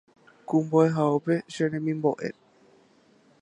Ku mbo’ehaópe Che remimbo’e